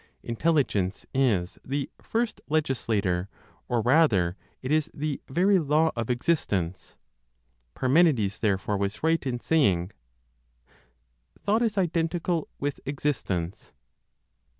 Intelligence is the first legislator, or rather, it is the very law of existence. Parmenides therefore was right in saying, "Thought is identical with existence."